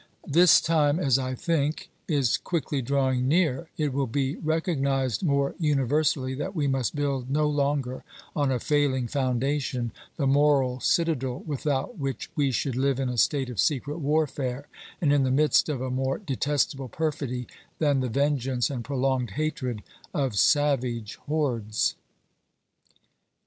This time, as I think, is quickly drawing near ; it will be recognised more universally that we must build no longer on a failing foundation the moral citadel without which we should live in a state of secret warfare, and in the midst of a more detestable perfidy than the vengeance and prolonged hatred of savage hordes.